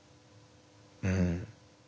うん。